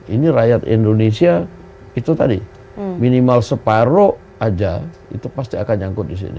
ini rakyat indonesia itu tadi minimal separuh aja itu pasti akan nyangkut disini